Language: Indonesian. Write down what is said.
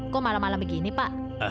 kok malam malam begini pak